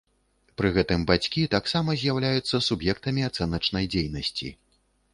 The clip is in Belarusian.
Пры гэтым бацькі таксама з'яўляюцца суб'ектамі ацэначнай дзейнасці.